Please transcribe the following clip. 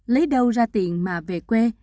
lấy đâu ra tiền mà về quê